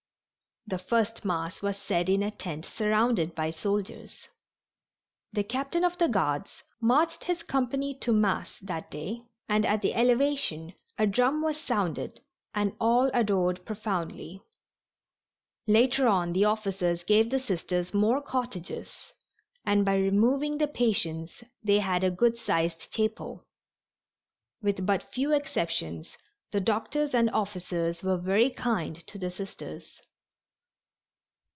The first Mass was said in a tent surrounded by soldiers. The captain of the guards marched his company to Mass on that day, and at the elevation a drum was sounded and all adored profoundly. Later on the officers gave the Sisters more cottages, and by removing the patients they had a good sized chapel. With but few exceptions the doctors and officers were very kind to the Sisters.